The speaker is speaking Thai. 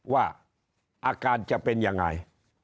ว่าอาการจะเป็นยังไง